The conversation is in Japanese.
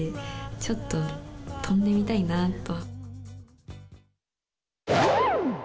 ちょっと飛んでみたいなと。